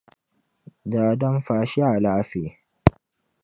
Daadam faashee alaafee.